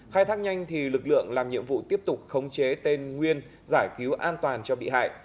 khai thác nhanh thì lực lượng làm nhiệm vụ tiếp tục khống chế tên nguyên giải cứu an toàn cho bị hại